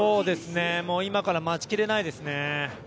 今から待ちきれないですね。